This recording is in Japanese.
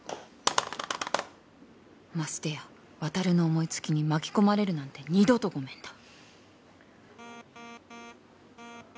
ましてや渉の思いつきに巻き込まれるなんて二度とごめんだ